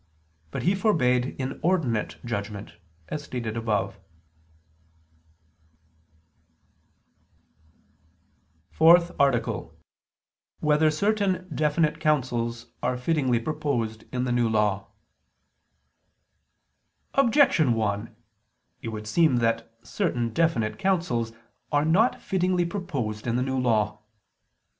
But he forbade inordinate judgment, as stated above. ________________________ FOURTH ARTICLE [I II, Q. 108, Art. 4] Whether Certain Definite Counsels Are Fittingly Proposed in the New Law? Objection 1: It would seem that certain definite counsels are not fittingly proposed in the New Law.